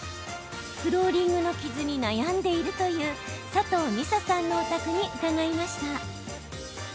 フローリングの傷に悩んでいるという佐藤未紗さんのお宅に伺いました。